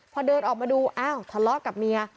พอเดินออกมาดูอ้าวทะเลาะกับเมีย